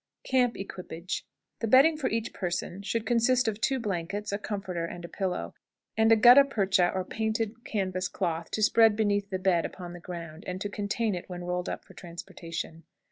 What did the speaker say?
CAMP EQUIPAGE. The bedding for each person should consist of two blankets, a comforter, and a pillow, and a gutta percha or painted canvas cloth to spread beneath the bed upon the ground, and to contain it when rolled up for transportation.